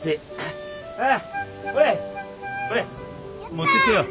持ってってよ。